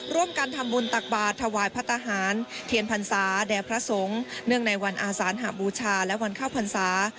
ร่วมกันทำบุญตักบาทถวายพระทหารเทียนพรรษาแด่พระสงฆ์เนื่องในวันอาสานหบูชาและวันเข้าพรรษา